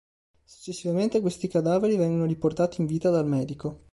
Successivamente, questi cadaveri vengono riportati in vita dal medico.